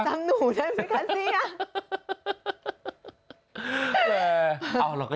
จำหนูได้ไหมคะเสีย